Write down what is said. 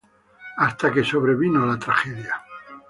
Hasta que sobrevino la tragedia.